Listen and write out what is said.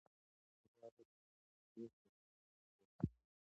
صحي عادتونه د اوږدې هوساینې لامل ګرځي.